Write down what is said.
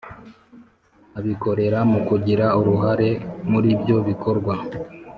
abikorera mu kugira uruhare muribyo bikorwa.